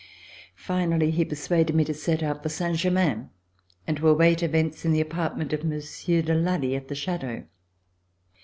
Finally he persuaded me to set out for Saint Germain and to await events in the apartment of Monsieur de Lally, at the Chateau.